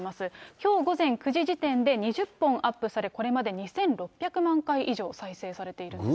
きょう午前９時時点で２０本アップされ、これまで２６００万回以上再生されているんですね。